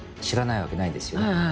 知らないわけないですよね？